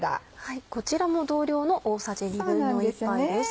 こちらも同量の大さじ１／２です。